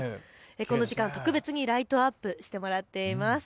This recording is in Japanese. この時間、特別にライトアップしてもらっています。